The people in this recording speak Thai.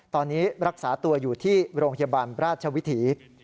ตอนนี้รักษาตัวอยู่ที่โรงพยาบาลราชวิถี